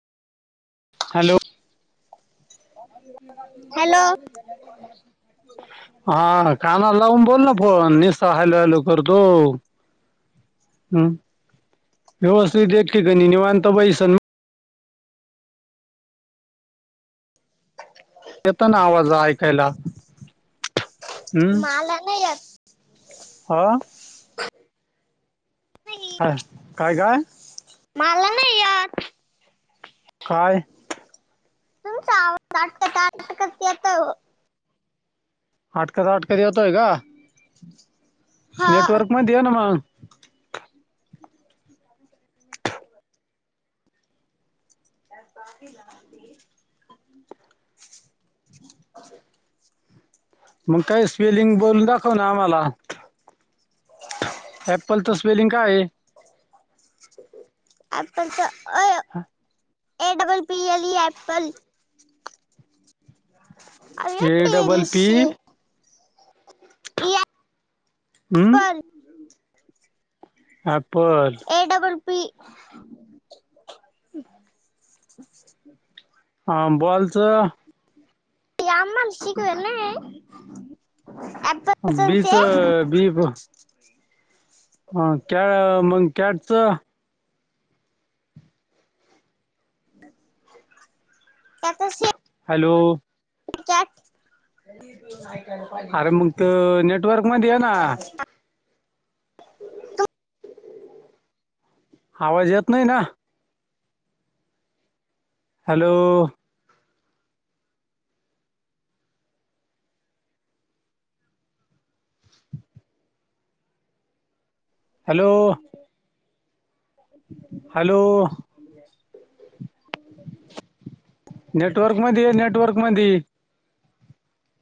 Hello hello. [inaudible] हा कानाला लावून बोल ना फोन. निससा हॅलो हॅलो करतो. हम्म. व्यवस्थित एक ठिकणी निवांत बैस अन येताना आवाज ऐक. याला. माला नाही येत. हा येत हा. काय काय? मला नाही येत. काय? तुमचा आवाज अटकत अटकत च येतो. अटकत अटकत येतोय का? [inaudible] हा नेटवर्क मध्ये ये ना मग, [inaudible] [unintelligible] मग काही स्पेलिंग बोलून दाखव ना आम्हाला. अँपल च स्पेल्लिंग काय आहे? ॲपल च A double P L E apple. अरे A double English P L हम्म ऍपल ए डबल पी [inaudible] हा बॉलच. हे आम्हला शिकवेल नाही हे. ऍपल बी ते च बी हां कॅ मग कॅटच. त्याच श हॅलो. कॅट [unintelligible] अरे मग त नेटवर्क मध्ये य ना. आवाज येत नाही ना. हॅलो. हॅलो. हॅलो. [unintelligible] नेटवर्क मध्ये आहे नेटवर्क ममध्ये.